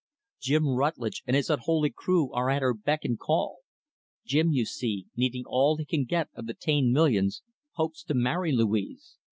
Jim Rutlidge and his unholy crew are at her beck and call. Jim, you see, needing all he can get of the Taine millions, hopes to marry Louise.